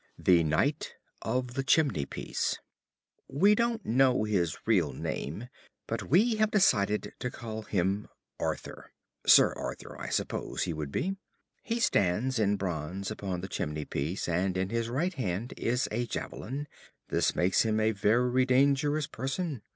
THE KNIGHT OF THE CHIMNEY PIECE We don't know his real name, but we have decided to call him "Arthur" ("Sir Arthur," I suppose he would be). He stands in bronze upon the chimney piece, and in his right hand is a javelin; this makes him a very dangerous person.